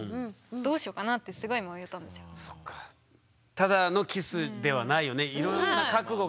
ただのキスではないよね。